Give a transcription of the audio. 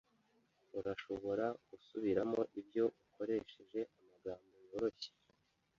Urashobora gusubiramo ibyo ukoresheje amagambo yoroshye